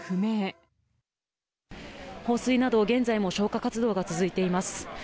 放水など、現在も消火活動が続いています。